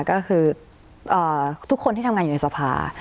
ก็คือทุกคนที่ทำงานอยู่ในสภา